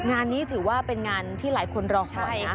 งานนี้ถือว่าเป็นงานที่หลายคนรอคอยนะ